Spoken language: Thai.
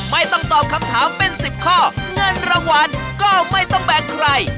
ไม่ต้องตอบคำถามเป็น๑๐ข้อเงินรางวัลก็ไม่ต้องแบกใคร